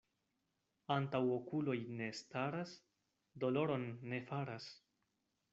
Antaŭ okuloj ne staras, doloron ne faras.